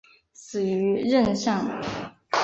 死于任上。